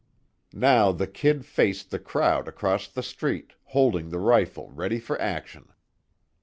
Now the "Kid" faced the crowd across the street, holding the rifle ready for action.